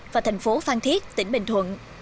và thành phố phan thiết tỉnh bình thuận